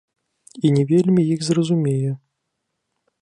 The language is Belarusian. І не вельмі іх зразумее.